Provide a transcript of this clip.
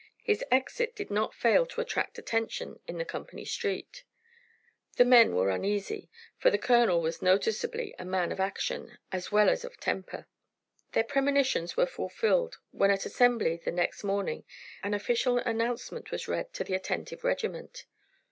His exit did not fail to attract attention in the company street. The men were uneasy, for the colonel was noticeably a man of action as well as of temper. Their premonitions were fulfilled when at assembly the next morning, an official announcement was read to the attentive regiment.